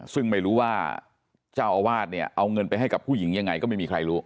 ซึ่งไม่รู้ว่าเจ้าอาวาสเนี่ยเอาเงินไปให้กับผู้หญิงยังไงก็ไม่มีใครรู้